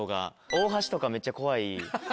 大橋とかめっちゃ怖い。